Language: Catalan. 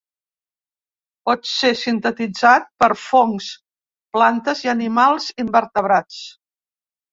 Pot ser sintetitzat per fongs, plantes i animals invertebrats.